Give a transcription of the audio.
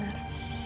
ya datu benar